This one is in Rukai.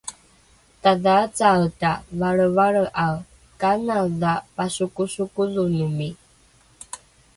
Tadhaacaeta valrevalre'ae kanaedha pasokosokodhonomi?